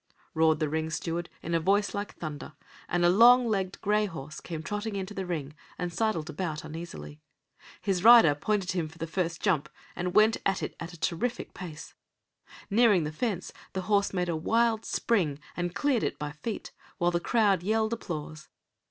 roared the ring steward in a voice like thunder, and a long legged grey horse came trotting into the ring and sidled about uneasily. His rider pointed him for the first jump, and went at it at a terrific pace. Nearing the fence the horse made a wild spring, and cleared it by feet, while the crowd yelled applause.